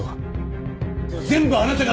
全部あなたが。